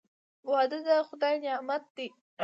• واده د خدای نعمت دی.